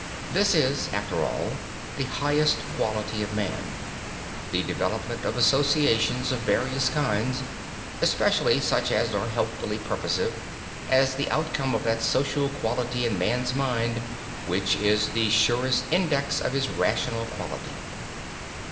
This is after all the highest quality of man. The development of associations of various kinds, especially such as are helpfully purposive, are the outcome of that social quality in man's mind which is the surest index of his rational quality.